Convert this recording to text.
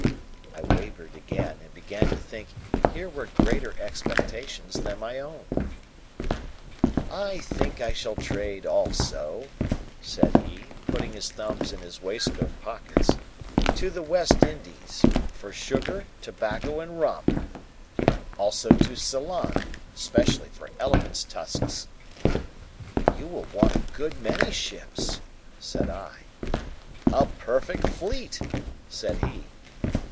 I wavered again, and began to think here were greater expectations than my own. "I think I shall trade, also," said he, putting his thumbs in his waist coat pockets, "to the West Indies, for sugar, tobacco, and rum. Also to Ceylon, especially for elephants' tusks." "You will want a good many ships," said I. "A perfect fleet," said he.